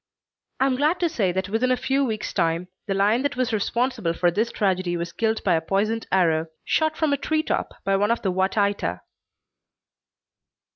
I am glad to say that within a few weeks' time the lion that was responsible for this tragedy was killed by a poisoned arrow, shot from a tree top by one of the Wa Taita.